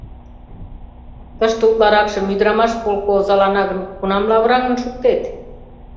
Тыште утларакшым ӱдырамаш полко озалана гын, кунам лавыраҥын шуктет?